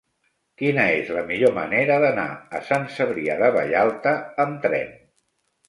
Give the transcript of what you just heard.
Quina és la millor manera d'anar a Sant Cebrià de Vallalta amb tren?